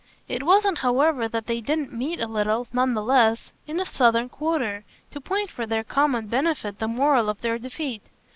It wasn't however that they didn't meet a little, none the less, in the southern quarter, to point for their common benefit the moral of their defeat.